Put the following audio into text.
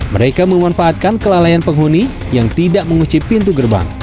mereka memanfaatkan kelalaian penghuni yang tidak mengusir pintu gerbang